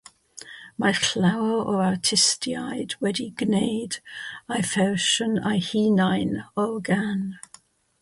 Mae llawer o artistiaid wedi gwneud eu fersiwn eu hunain o'r gân.